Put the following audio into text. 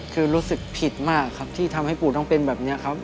คือรู้สึกผิดมากครับที่ทำให้ปู่ต้องเป็นแบบนี้ครับ